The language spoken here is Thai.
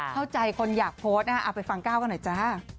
เข้าใจคนอยากโพสต์นะฮะเอาไปฟังก้าวกันหน่อยจ้า